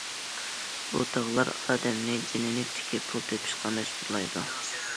بۇ تاغلار ئادەمنى‹‹ جېنىنى تىكىپ›› پۇل تېپىشقا مەجبۇرلايدۇ.